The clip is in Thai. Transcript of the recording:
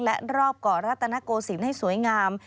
และรอบเกาะรัตนโกศิลป์ให้สวยงาม